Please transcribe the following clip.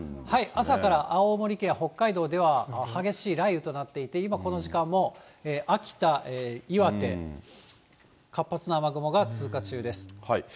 朝から青森県や北海道では激しい雷雨となっていて、今この時間も秋田、岩手、活発な雨雲が通過中です。